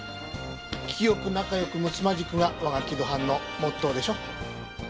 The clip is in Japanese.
「清く仲良く睦まじく」が我が城戸班のモットーでしょ？